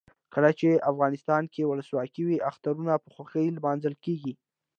کله چې افغانستان کې ولسواکي وي اخترونه په خوښۍ لمانځل کیږي.